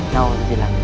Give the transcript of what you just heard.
nau di dalam jari